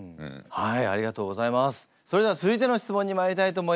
はい。